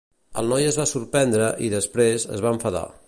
El noi es va sorprendre i, després, es va enfadar.